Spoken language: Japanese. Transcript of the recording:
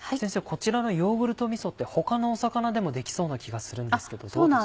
こちらのヨーグルトみそって他の魚でもできそうな気がするんですけどどうですか？